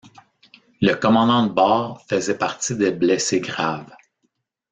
Le commandant de bord faisait partie des blessés graves.